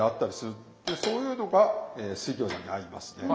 そういうのが水餃子に合いますね。